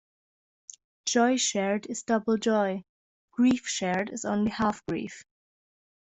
Joy shared is double joy; grief shared is only half grief.